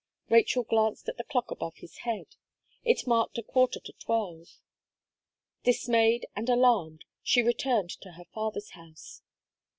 Rachel glanced at the clock above his head; it marked a quarter to twelve. Dismayed and alarmed, she returned to her father's house.